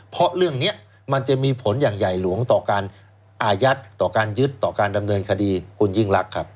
เพราะเรื่องนี้มันจะมีผลอย่างใหญ่หลวงต่อการอายัดต่อการยึดต่อการดำเนินคดีคุณยิ่งรักครับ